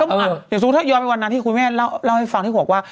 อย่างนึงถ้ายอมไปวันนานที่คุณแม่ราวให้ฟังที่พวกว่า